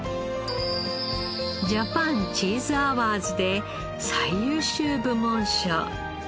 ジャパンチーズアワーズで最優秀部門賞。